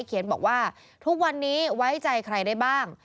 เขียนบอกว่าทุกวันนี้ไว้ใจใครได้บ้าง